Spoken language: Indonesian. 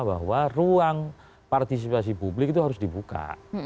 bahwa ruang partisipasi publik itu harus dibuka